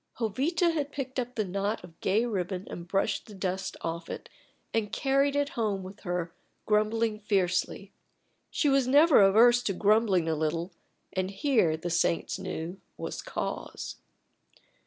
Jovita had picked up the knot of gay ribbon and brushed the dust off it, and carried it home with her, grumbling fiercely. She was never averse to grumbling a little, and here, the saints knew, was cause.